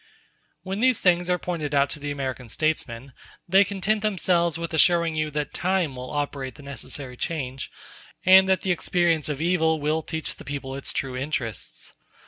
When these things are pointed out to the American statesmen, they content themselves with assuring you that time will operate the necessary change, and that the experience of evil will teach the people its true interests.